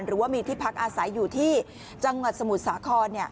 หรือว่ามีที่พักอาศัยอยู่ที่จังหวัดสมุทรสาคร